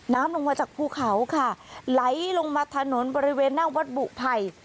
ลงมาจากภูเขาค่ะไหลลงมาถนนบริเวณหน้าวัดบุไผ่